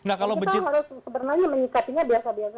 kita harus sebenarnya menyikatinya biasa biasanya